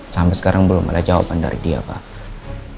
sampai sekarang belum ada jawaban dari dia pak